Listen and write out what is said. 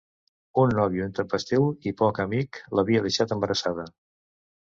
Un nòvio intempestiu i poc amic l'havia deixat embarassada.